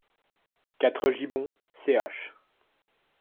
quatre Gibbon, ch.